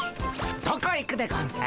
どこ行くでゴンス？